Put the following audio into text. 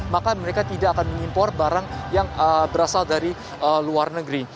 maka mereka tidak akan mengimpor barang yang berasal dari luar negeri